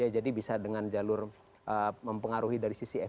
jadi bisa dengan jalur mempengaruhi dari sisi fd